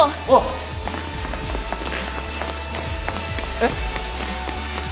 えっ？